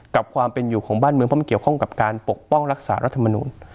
ความเป็นอยู่ของบ้านเมืองเพราะมันเกี่ยวข้องกับการปกป้องรักษารัฐมนุน